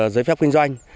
giới phép kinh doanh